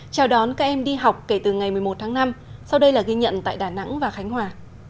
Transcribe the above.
chào đón các em đi học kể từ ngày một mươi một tháng năm sau đây là ghi nhận tại đà nẵng và khánh hòa